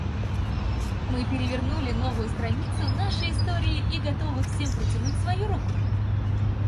Мы перевернули новую страницу нашей истории и готовы всем протянуть свою руку.